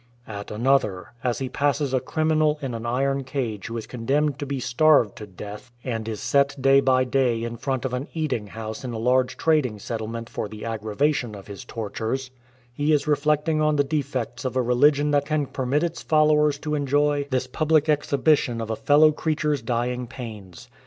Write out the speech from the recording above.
At another, as he passes a criminal in an iron cage who is condemned to be starved to death, and is set day by day in front of an eating house in a large trading settlement for the aggravation of his tortures, he is reflecting on the defects of a religion that can permit its followers to enjoy 2S THE WOUNDED SOLDIER this public exhibition of a fellow creature's dying pains.